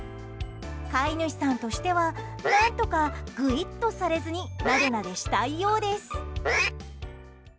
飼い主さんとしては何とかグイっとされずになでなでしたいようです。